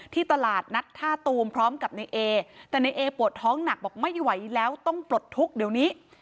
ตลาดนัดท่าตูมพร้อมกับในเอแต่ในเอปวดท้องหนักบอกไม่ไหวแล้วต้องปลดทุกข์เดี๋ยวนี้